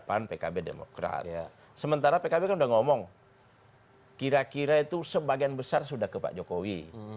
pan pkb demokrat sementara pkb kan udah ngomong kira kira itu sebagian besar sudah ke pak jokowi